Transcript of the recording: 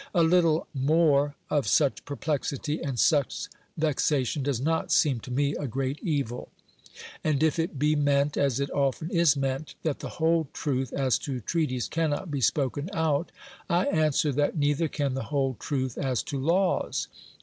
A little more of such perplexity and such vexation does not seem to me a great evil. And if it be meant, as it often is meant, that the whole truth as to treaties cannot be spoken out, I answer, that neither can the whole truth as to laws.